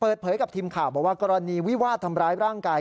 เปิดเผยกับทีมข่าวบอกว่ากรณีวิวาดทำร้ายร่างกาย